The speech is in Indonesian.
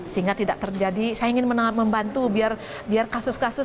sehingga tidak terjadi saya ingin membantu biar kasus kasus